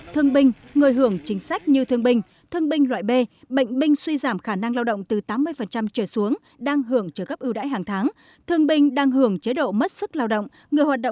thương binh người hưởng chính sách như thương binh thương binh loại b bệnh binh suy giảm khả năng lao động từ tám mươi trở xuống đang hưởng trợ cấp ưu đãi hàng tháng